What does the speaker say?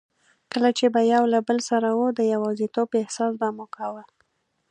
کله چي به یو له بل سره وو، د یوازیتوب احساس به مو کاوه.